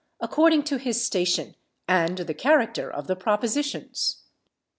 according to his station and the character of the propositions.